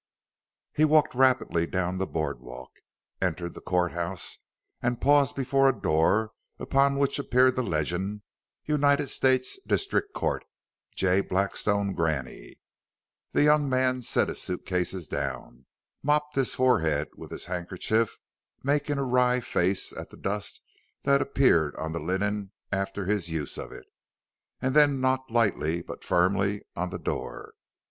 He walked rapidly down the board walk, entered the courthouse, and paused before a door upon which appeared the legend: "United States District Court. J. Blackstone Graney." The young man set his suit cases down, mopped his forehead with his handkerchief, making a wry face at the dust that appeared on the linen after his use of it, and then knocked lightly, but firmly, on the door.